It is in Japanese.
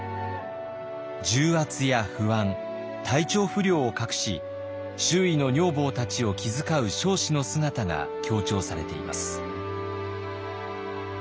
重圧や不安体調不良を隠し周囲の女房たちを気遣う彰子の姿が強調されています。